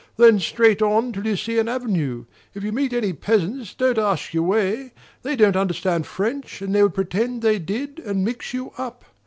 Then straight ahead till you see an avenue. If you meet any peasants, don't ask your way. They don't understand French, and they would pretend they did and mix you up.